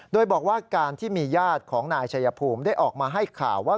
โดยบอกว่าการที่มีญาติของนายชัยภูมิได้ออกมาให้ข่าวว่า